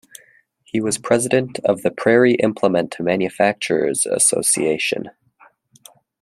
He was president of the Prairie Implement Manufacturers' Association.